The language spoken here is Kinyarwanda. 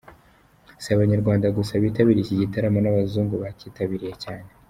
Si Abanyarwanda gusa bitabiriye iki gitaramo n'abazungu bacyitabiriye cyane.